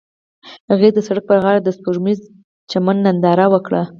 هغوی د سړک پر غاړه د سپوږمیز چمن ننداره وکړه.